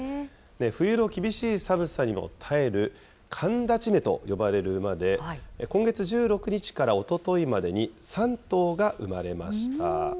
冬の厳しい寒さにも耐える寒立馬と呼ばれる馬で、今月１６日からおとといまでに３頭が生まれました。